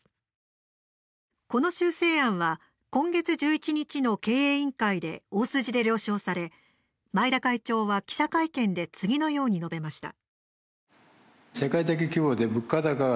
この修正案は今月１１日の経営委員会で大筋で了承され前田会長は記者会見で次のように述べました。